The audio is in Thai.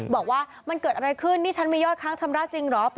บอกว่ามันเกิดอะไรขึ้นนี่ฉันมียอดค้างชำระจริงเหรอ